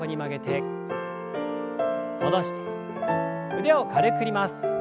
腕を軽く振ります。